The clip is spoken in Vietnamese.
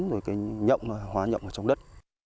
rồi cái nhộng hóa nhộng ở trong đất